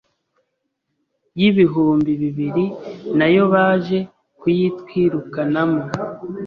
y’ibihumbi bibiri, nayo baje kuyitwirukanamo